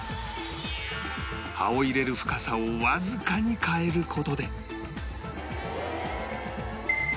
刃を入れる深さをわずかに変える事で